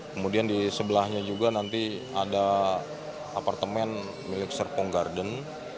kemudian di sebelahnya juga nanti ada apartemen milik serpong garden